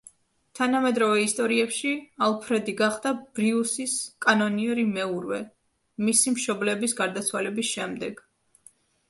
თანამედროვე ისტორიებში ალფრედი გახდა ბრიუსის კანონიერი მეურვე, მისი მშობლების გარდაცვალების შემდეგ.